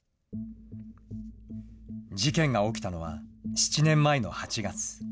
事件が起きたのは、７年前の８月。